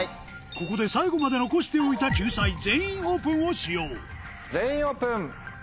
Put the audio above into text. ここで最後まで残しておいた救済「全員オープン」を使用全員オープン！